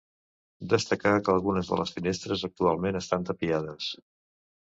Destacar que algunes de les finestres actualment estan tapiades.